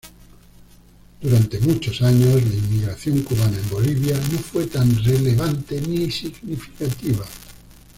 Durante muchos años, la inmigración cubana en Bolivia no fue tan relevante ni significativa.